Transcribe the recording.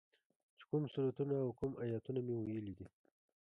چې کوم سورتونه او کوم ايتونه مې ويلي دي.